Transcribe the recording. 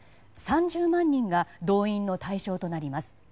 ３０万人が動員の対象となります。